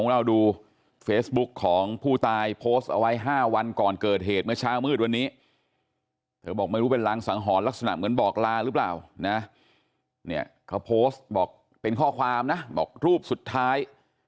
แล้วก็วิ่งคือวิ่งแบบไปอยู่ข้างรถก็คือลงตรงนั้นเลย